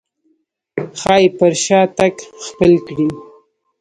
ښايي پر شا تګ خپل کړي.